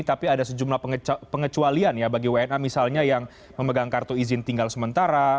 tapi ada sejumlah pengecualian ya bagi wna misalnya yang memegang kartu izin tinggal sementara